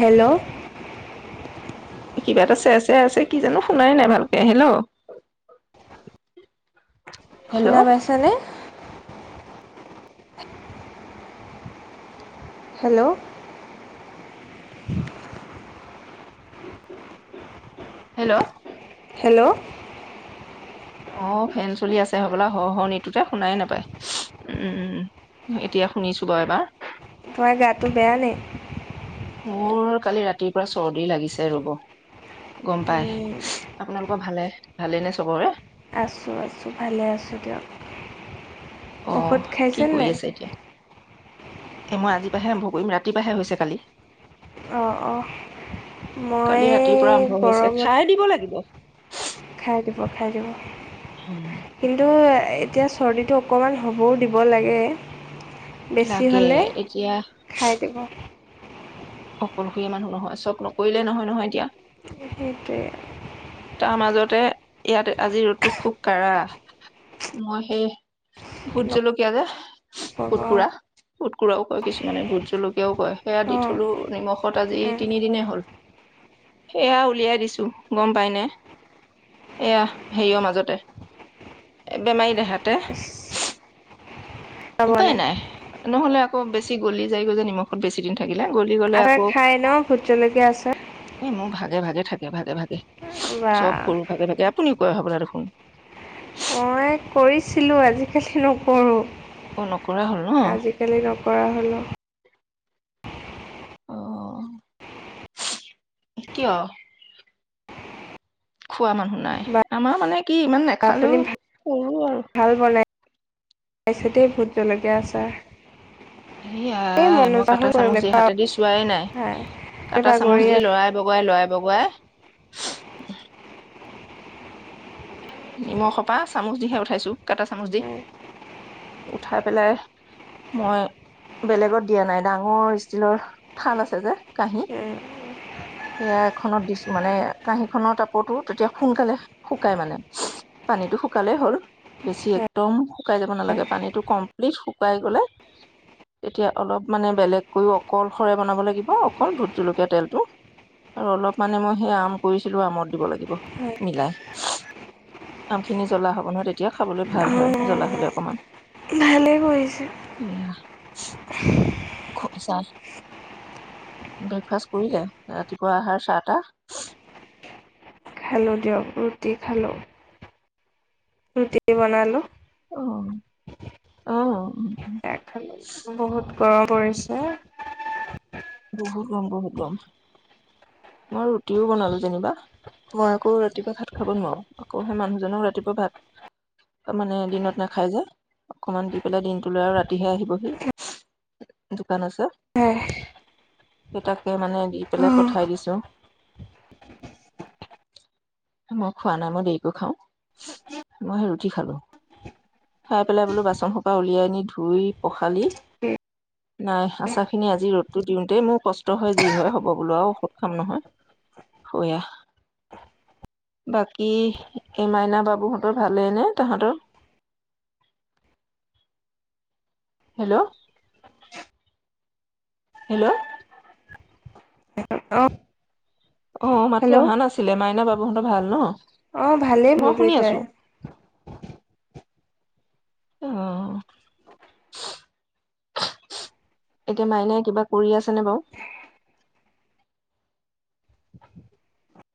Hello hello কিবা এটা চে চেৱাই আছে কি জানো শুনাই নাই ভালকে হেল্ল' হেল্ল' শুনা পাইছা নে উ [unintelligible] হেল্ল' হেল্ল' হেল্ল' অ ফেন চলি আছে হবলা হ হৰণিটোতে শুনাই নাপায় উমম এতিয়া শুনিছো বাৰু এবাৰ তোমাৰ গাটো বেয়া নে মোৰ কালি ৰাতিৰ পৰা চৰ্দি লাগিছে ৰব গম পাই উম, আপোনালোকৰ ভালে ভালে নে চবৰে আছোঁ আছোঁ ভালে আছোঁ দিয়ক অ ঔষধ খাইছে কি কৰি নাই? আছে এতিয়া এ মই আজিৰ পৰাহে আৰম্ভ কৰিম ৰাতিপাহে হৈছে কালি অ অ কালি মই ৰাতিৰ পৰা আৰম্ভ হৈছে গৰমত খাই দিব লাগিব খাই দিব খাই দিব উম কিন্তু এ এতিয়া চৰ্দিটো অকণমান হ'বও দিব লাগে বেছি লাগে হ'লে এতিয়া খাই দিব হয় [unintelligible] অকলশৰীয়া মানুহ নহয় চব নকৰিলে নহয় নহয় এতিয়া সেটোয়ে তাৰ মাজতে ইয়াত আজি ৰ'দটো খুব কাঢ়া মই সেই ভোট নক'ব। জলকীয়া যে অ', কুটকুৰা কুটকুৰাও কিছুমানে ভোট জলক কেও কয় সেয়া দি উম, থলো নিমখত আজি তিনিদিনে হ'ল, সেয়া উলিয়াই দিছো গম উপায় নাই এয়া হেৰিয়ৰ মাজতে বেমাৰী দেহাতে। ইচ, উপায় বনাই নাই নহলে বেছি গলি যায় গৈ যে নিমখত বেছি দিন থাকে। আদা খাই ন' ভোট জলকীয়াৰ আচাৰ। এই মোৰ ভাগে ভাগে থাকে ভাগে ভাগে। বা চব কৰো ভাগে ভাগে শুনি কয় সবলা দেখোন। মই কৰিছিলোঁ আজিকালি নকৰোঁ। অ নকৰা হ'ল ন আজিকালি নকৰা হলো। অ', কিয়? খোৱা মানুহ নাই, বা আমাৰ মানে। কি ইমান নাখালেও সৰু আৰু। পছতেই ভোত জলকীয়া আছাৰ। স আ মই কাটা চামুচ কৰিবলৈ দি খোৱা হাতেদি চোৱাই নাই হয় এই কাটা চামুচ বাগৰি দি লৰাই বগৰাই লৰাই বগাই। নিমখৰ পৰা চামুচ দিহে উঠাইছোঁ। কাঁটা চামুচ দি আছোঁ উঠাই পেলাই মই বেলেগত দিয়া নাই। ডাঙৰ ষ্টীলৰ থাল আছে যে কাঁহী সেয়া এখনত দিছো মানে কাহিঁখন তাপটো তেতিয়া সোনকালে শুকাই মানে পানীটো শুকালে হ'ল বেছি একদম শুকাই যাব নালাগে পানীটো কমপ্লিট শুকাই গ'লে এতিয়া অলপ মানে বেলেগ কৰিও অকলসৰে বনাব লাগিব অকল ভূত জলকীয়া তেলটো আৰু অলপ মানে মই সেই আম কৰিছিলোঁ। আমত দিব লাগিব, হয় মিলাই দিব লাগিব আমখিনি জ্বলা হ'ব নহয় তেতিয়া খাবলৈ ভাল হয় জ্বলা হ'লে অকণমান ভালেই কৰিছে চাহ ব্ৰেকফাষ্ট কৰিলে ৰাতিপুৱা অহাৰ চা টা। খালোঁ দিয়ক, ৰুটি খালোঁ। ৰুটি বনালো। অ', অ। সেয়া খালোঁ বহুত গৰম পৰিছে। বহুত গম বহুত গম। মই ৰুটিও বনালো যেনিবা, মই আকৌ ৰাতিপুৱা ভাত খাব নোৱাৰো আকৌ সেই মানুহজনক ৰাতিপুৱা ভাত মানে দিনত নাখাই যায় যে অকমান দি পেলাই দিনটো লৈ আৰু ৰাতিহে আহিবহি দোকান আছে। সেইয়াই সেই তাকে মানে দি পেলাই পঠাই দিছো। মই খোৱা, নাই মই দেৰিকৈ খাওঁ মই সেই ৰুটি খালো খাই পেলাই বোলো বাচন সোপা উলিয়াই আ নি ধুই পখালি নাই আচাৰ খিনি আজি ৰ'দ দিওঁতেই মোৰ কষ্ট হয় যি হয় হ'ব বোল আৰু ঔষধ খাম নহয়, শয়া বাকী এই মাইনা বাবুহঁতৰ ভালেই নে তাহতৰ। হেল্ল'। হেল্ল'। অ। [unintelligible] অ মাতটো অহা নাছিলে, মাইনা বাব তহঁতৰ ভাল ন? অ ভালেই বোলো দুই তাই। এ অ, এতিয়া মাইনাই কিবা কৰি আছেনে বাও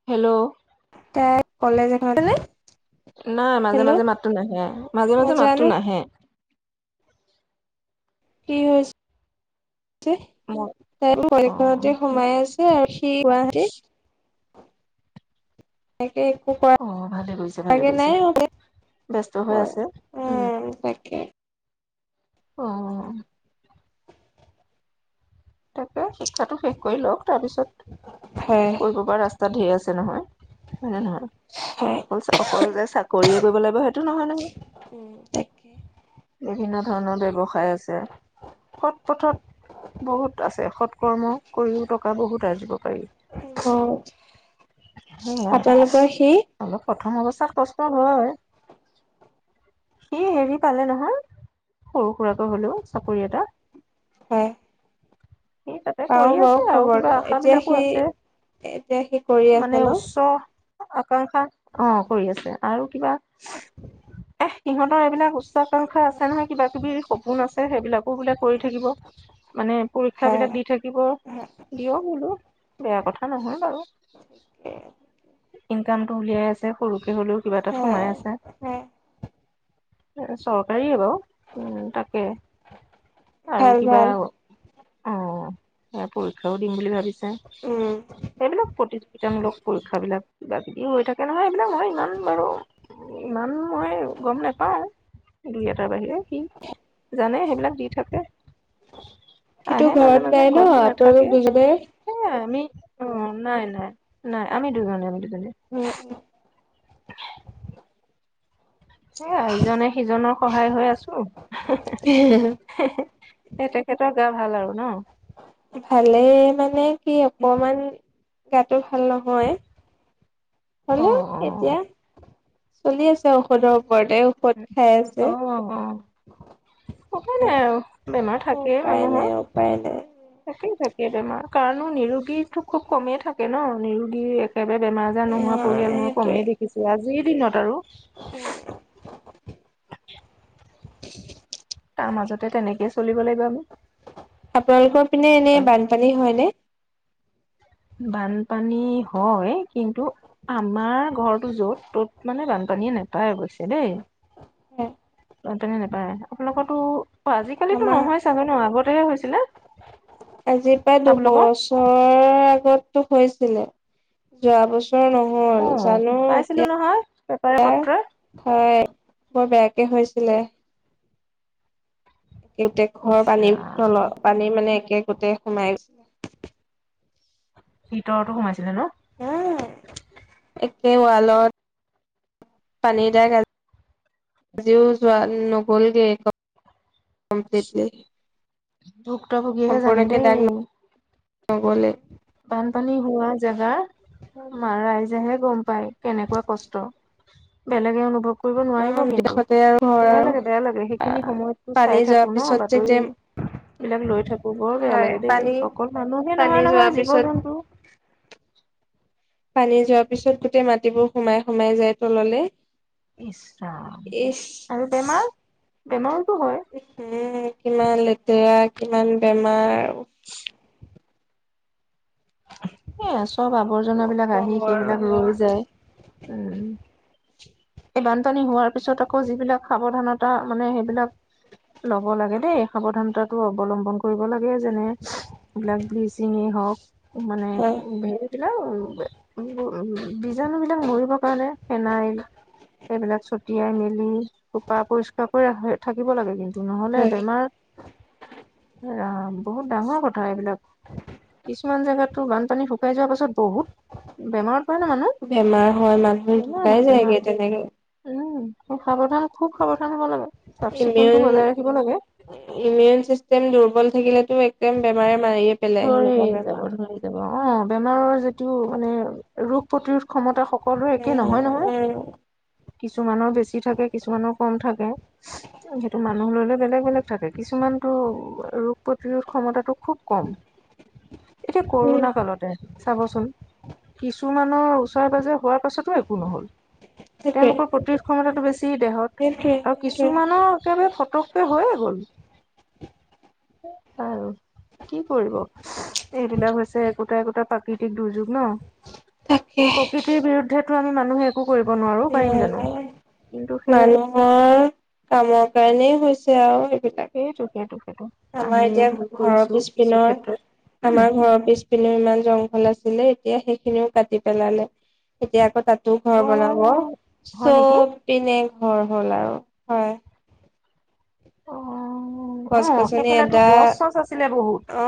হেল্ল'। তাই কলেজলে গ'ল নে। নাই, মাজে মাজে মাতটো নাহে। মাজে অঁ মাজে মাতটো জানো নাহে। কি হৈছ [unintelligible] মই সোমাই অ আছে আৰু সি গুৱাহাটী ই একো অ ভালে কৰিছে কৰা ভালে কৰিছে [unintelligible] ব্যস্ত হৈ অ, আছে এ উম তাকে অ তাকে শিক্ষাটো শেষ কৰি লওক। তাৰপিছত, হয় কৰিব পৰা ৰাচ তাত ঢেৰ আছে নহয়। হয় নে নহয়? হয় অকল অকল যে চাকৰিয়ে কৰিব লাগিব সেইটো নহয় নহয়। উম তাকে বিভিন্ন ধৰণৰ ব্যৱসায় আছে, সৎ পথত আছে, সৎকৰ্ম কৰিও টকা বহুত আজিব পাৰি। সেয়াই, আপোনালোকৰ সি অলপ সৎ [unintelligible] কষ্ট হয় সি হেৰি পালে নহয়? সৰু সুৰাকৈ হলেও, চাকৰি এটা হে সি তাতে পাওঁ কৰি আছে বাৰু আৰু কিবা খবৰটো, আশা এতিয়া বিলাকো সি, আছে এতিয়া সি কৰি মানে আছে ন? উচ্চ [unintelligible] অ কৰি আছে। আৰু কিবা [unintelligible] এহ ইহঁতৰ এইবিলাক উচ উচ্ছাকাঙ্খা আছে নহয় কিবা কিবি সপোন আছে, সেইবিলাকো বোলে কৰি থাকিব, মানে পৰীক [unintelligible] হয় বিলাক দি থাকিব, দিয়ক বুলো বেয়া কথা নহয় বাৰু। ইনকামটো উলিয়াই আছে সৰুকে হলেও কিবা এটাত হয় সোমাই আছে। হয় চৰকাৰীয়ে বাও। উম তাকে। আৰু ভাল কিবা ভাল অঁ, এয়া পৰীক্ষাও দিম বুলি ভাবিছ এহ, উম এইবিলাক প্ৰতিযোগিতামূলক পৰীক্ষাবিলাক। কিবা কিবিও হৈ থাকে নহয় এইবিলাক মই ইমান বাৰু, ইমান মই গম নোপাওঁ। [unintelligible] তাৰ বাহিৰে সি, জানেই সে [unintelligible] দি থাকে। সিটো আহে ঘৰত মাজে-মাজে নাই ন ঘৰটো আপোনালোক নাথাকে, সেয়াই আমি অ, নাই-নাই। নাই, আমি দুজনে আমি দু জনে দুজনে কোনে এয়া, ইজনে-সিজনৰ সহায় হৈ আছো হে হে হে হেহে হে তেখেতক গা ভাল আৰু ন। ভালে, মানে কি অকমান গাতো ভাল নহয়। অ ভালেই অ এতিয়া। চলি আছে ঔষধৰ ওৰতে, ঔষধ খাই অ আছে। অ উপায় নাই আৰু, বেমাৰ থাকেই উপায় মানুহৰ। নাই উপায় নাই থাকেই থা এই বেমাৰ, কাৰণো নিৰোগী খুব কমেই থাকে ন, নিৰোগী এক একেবাৰে বেমাৰ আজাৰ নোহোৱা পৰিয়াল মই সেইটোৱে কমেই দেখিছোঁ [inaudible] যি দিনত আৰু [unintelligible] [unintelligible] তাৰ মাজতে তেনেকে চলিব লাগ আপোনালোকৰ পিনে এনে আৰু বানপানী হয় নে। বানপানী হয়, কিন্তু আমাৰ ঘৰটো য'ত, ত'ত মানে বানপানীয়ে নাপায় অৱশ্যে দেই। [unintelligible] অ', তেনে নাপায়, আপোনালোকৰ তো অ, আজিকালিতো আমাৰ নহয় চাগেনো ন, আগতেহে হৈছে ছিলে আজিৰ পৰা দুবছৰ আগতটো হৈছ ছিলে। যোৱাবছ নহল, জানো পাইছিলো নহয় পেপাৰে এতিয়া পত্ৰই [inaudible] হয় বৰ বেয়া তে হৈছিলে। ইছ [unintelligible] ৰাম পানী মানে একে গোতে সোমাইছি ভিতৰতো সোমাইছিলে ন। [unintelligible] একেৱালত পানী দাগ আজ-আজিও যোৱা নগ'ল গেই ক ভুক্ত ভূগিয়েহে জানে সম্পূৰ্ণকে দাগ দেই। নগ'লে বানপানী হোৱা জেগাৰ ৰাইজেহে গম পায়। কেনেকুৱা কষ্ট, বেলেগে অনুভৱ অ' নদী কাষতে আৰু ঘৰ আৰু। পানী যোৱাৰ পিছত যে যে হয় পানী পানী যোৱাৰ [unintelligible] পিছত [unintelligible] [inaudible] পানী যোৱাৰ পিছত গোটেই মাটিবোৰ সোমাই সোমাই যায় তললৈ। ইছ ৰাম আৰু বেমাৰ? বেমাৰটো হয়। উঃহু কিমান লেতেৰা কিমান বেমাৰ এ চব আৱৰ্জনাবিলাক কম আহি আৰু সেইবিলাক সেয়া ৰৈ যায়, উম এই বানপানী হোৱাৰ পিছত আকৌ যিবিলাক সাৱধানতা মানে, সেইবিলাক লব লাগে দেই সাৱধানতাটো অৱলম্বন কৰিব লাগে যেনে এইবিলাক ব্লিচিঙে হওক, মানে হয় উে ন উ উ উম, বীজাণু বিলাক মৰিবৰ কাৰণে ফেনাইল, সেইবিলাক ছটিয়াই মেলি চাফা পৰিষ্কাৰ কৰি থাকিব লাগে কিন্তু নহ'লে হয় বেমাৰ বহুত ডাঙৰ কথা এইবিলাক কিছ কিছুমান জেগাতো বানপানী শুকাই যোৱাৰ পাছত বহুত বেমাৰত পায় ন বেমাৰ হয় মানুহ মানুহ বেমাৰ ঢুকাই হয় যায়গে তেনেকে। বেমাৰত উম সাৱধান খুব সাৱধান হব লাগে চাফ চিকুণতটো ইমিউন বজাই ৰাখিব লাগে, ইমিউন চিষ্টেম দুৰ্বল থাকিলেতো একদমে বেম বেমাৰে মাৰিয়ে পেলাই, হৈ সেনেকুৱা যাব বেমাৰ হৈ যাব অ' বেমাৰৰ যিটো মানে ৰোগ প্ৰতিৰোধ ক্ষমতা সকলোৰে একেই উম, নহয় নহয়, উম, কিছুমানৰ বেছি থাকে কিছুমানৰ কম থাকে। সেইটো মানুহ লৈ লৈ বেলেগ বেলেগ থাকে, কিছুমানতো ৰোগ প্ৰতিৰোধ ক্ষমতাটো খুব কম, এতিয়া ক'ৰোণা উম, কালতে চাবচোন, কিছুমানৰ ওচৰে পাজৰে হোৱাৰ পাছতো একো নহ'ল সেইটোৱে, তেওঁলোকৰ প্ৰতিৰোধ ক্ষমতাটো বেছি দেহত সেইটোৱে, আৰু সেইটোৱে। কিছুমানৰ একেবাৰে পটকে হৈ গ, আৰু কি কৰিব, এইবিলাক হৈছে একোটা একোটা প্ৰাকৃতিক দুৰ্যোগ ন, প্ৰকৃতিৰ বিৰুদ্ধে টো আমি মানুহে একো কৰিব নোৱাৰো পাৰিম নাই জানো নাই, কিন্তু সেই মানুহৰ কামৰ কাৰণেই হৈছে আও। সেইটো, সেইটো। সেইটো আমাৰ আমিয়ে এতিয়া ভুল ঘৰৰ কৰিছো কিছু পিছপিনৰ, ক্ষেত্ৰত উম আমাৰ ঘৰৰ পিছপিনেও ইমান জংঘল আছিলে এ এতিয়া সেইখিনিও কাটি পেলালে। এতিয়া আকৌ তাত টো ঘৰ বনাব, অ হয় নেকি চব পিনে হয়, হ'ল আৰু হয়। অ অ গছ গছনি সেইফালেতো এটা, গছ চছ আছিলে বহুত অ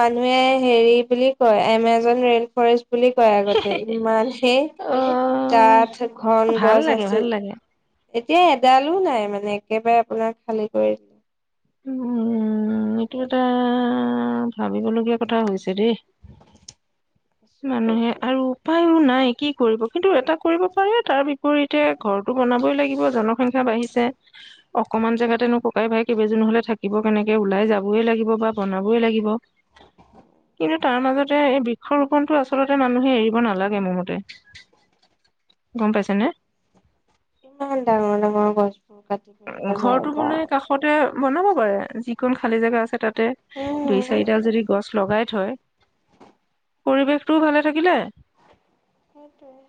মানুহে হেৰি বুলি কয়, এমেজন ৰে'ন ফৰেষ্ট বুলি কয় আগতে, ইমানেই অ ডাঠ ঘন ভাল গছ লাগে ভাল আছিল। লাগে এতিয়া এডালো নাই মানে, একেবাৰে আপোনাৰ খালী কৰি দিলে। উম, এইটো এটা ভাৱিবলগীয়া কথা হৈছে। দেই, মানুহে আৰু উপায়ো নাই কি কৰিব, কিন্তু এটা কৰিব পাৰে তাৰ বিপৰীতে ঘৰটো বনাবই লাগিব জনসংখ্যা বাঢ়িছে, অকমান জেগাতেনো ককাই ভাই কেইবেজন নহ'লে থাকিব কেনেকে, ওলাই যাবই লাগিব বা বনাবই লাগিব। কিন্তু তাৰ মাজতে এই বৃক্ষ ৰোপণটো আচলতে মানুহে এৰিব নালাগে মোৰ মতে, গম পাইছানে? ইমান ডাঙৰ ডাঙৰ গছ। ঘৰটো বনাই কাষতে বনাব পাৰে, যিকন খালি জেগা আছে তাত। তে, দুই উম। চাৰিডাল যদি গছ লগাই থয় পৰিৱেশটোও ভালে থাকিলে। সেইটোৱেই।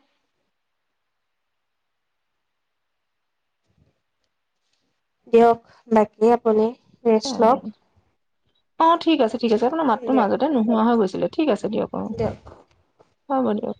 দিয়ক, বাকী আপুনি। ৰেছ লক। অ' ঠিক আছে। ঠিক আছে, আপোনাৰ মাতটো দিয়ক মাজতে নোহোৱা হৈ গৈছে ঠিক আছে দিয়ক, অ'। হ'ব দিয়ক।